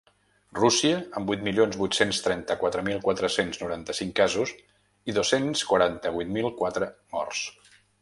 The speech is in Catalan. Rússia, amb vuit milions vuit-cents trenta-quatre mil quatre-cents noranta-cinc casos i dos-cents quaranta-vuit mil quatre morts.